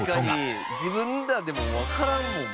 自分らでもわからんもんな。